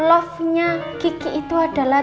love nya kiki itu adalah